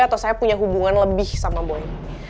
atau saya punya hubungan lebih sama boleh